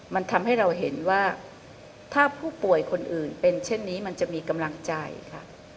มันทำให้เราเห็นว่าถ้าผู้ป่วยคนอื่นเป็นเช่นนี้มันจะมีกำลังใจค่ะ